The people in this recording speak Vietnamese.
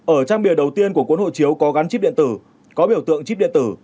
ở trang bìa đầu tiên của cuốn hộ chiếu có gắn chip điện tử có biểu tượng chip điện tử